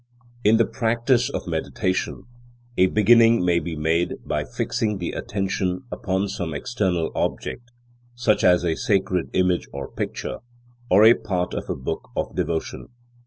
In the practice of meditation, a beginning may be made by fixing the attention upon some external object, such as a sacred image or picture, or a part of a book of devotion.